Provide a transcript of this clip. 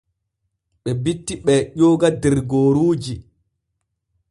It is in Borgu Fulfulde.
Ɓe bitti ɓee ƴooga der gooruuji.